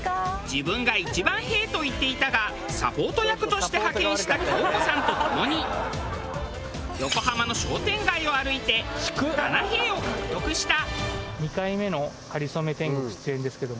自分が一番「へぇ」と言っていたがサポート役として派遣した京子さんとともに横浜の商店街を歩いて「７へぇ」を獲得した。